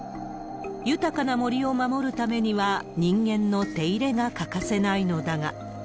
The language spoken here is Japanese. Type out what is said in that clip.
豊かな森を守るためには、人間の手入れが欠かせないのだが。